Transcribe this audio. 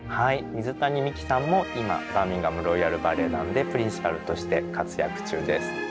水谷実喜さんも今バーミンガム・ロイヤル・バレエ団でプリンシパルとして活躍中です。